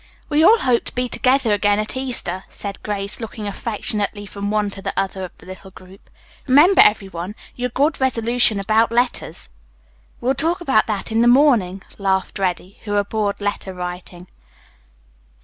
"We all hope to be together again at Easter," said Grace, looking affectionately from one to the other of the little group. "Remember, every one, your good resolution about letters." "We'll talk about that in the morning," laughed Reddy, who abhorred letter writing.